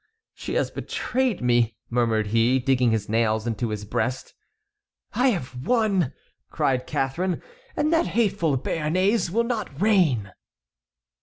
"Ah, she has betrayed me!" murmured he, digging his nails into his breast. "I have won," cried Catharine, "and that hateful Béarnais will not reign!"